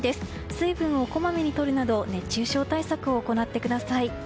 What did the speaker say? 水分をこまめにとるなど熱中症対策を行ってください。